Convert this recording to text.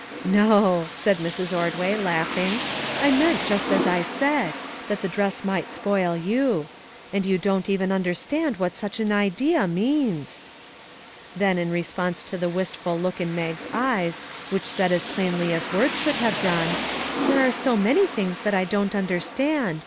" "No," said Miss Ordway, laughing; "I meant just as I said, that the dress might spoil you ; and you don't even understand what such an idea means !" Then, in response to the wistful look in Mag's eyes, which said as plainly as words could have done, " There are so many things 207 MAG AND MARGARET that I don't understand